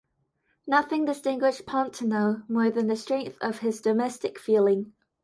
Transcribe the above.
Nothing distinguished Pontano more than the strength of his domestic feeling.